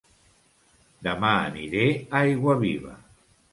Dema aniré a Aiguaviva